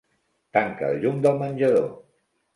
Tanca el llum del menjador.